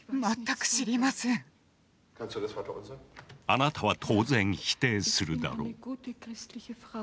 あなたは当然否定するだろう。